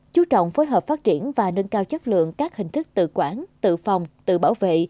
chú trọng phối hợp phát triển và nâng cao chất lượng các hình thức tự quản tự phòng tự bảo vệ